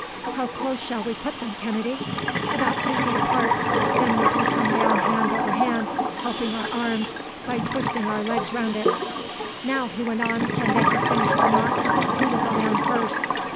"How close shall we put them, Kennedy?" "About two feet apart. Then we can come down hand over hand, helping our arms by twisting our legs round it. "Now," he went on, when they had finished the knots, "who will go down first?"